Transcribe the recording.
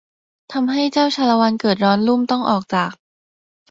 ทำให้เจัาชาละวันเกิดร้อนลุ่มต้องออกจาก